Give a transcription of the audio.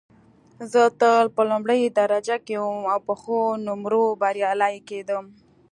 زه تل په لومړۍ درجه کې وم او په ښو نومرو بریالۍ کېدم